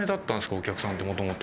お客さんってもともと。